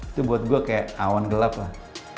itu buat gue kayak awan gelap lah